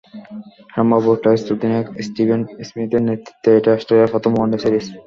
সম্ভাব্য টেস্ট অধিনায়ক স্টিভেন স্মিথের নেতৃত্বে এটাই অস্ট্রেলিয়ার প্রথম ওয়ানডে সিরিজ।